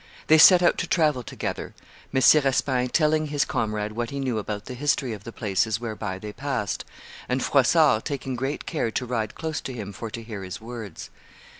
They set out to travel together, Messire Espaing telling his comrade what he knew about the history of the places whereby they passed, and Froissart taking great care to ride close to him for to hear his words.